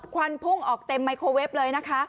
ควันพุ่งออกเต็มไมโครเวฟเลยนะคะ